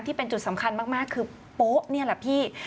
ที่เป็นจุดสำคัญมากคือโป๊ะนี่แหละพี่